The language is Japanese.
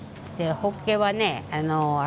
ホッケはね